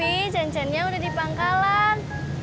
ini cincinnya udah di pangkalan